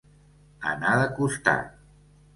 Anar de costat.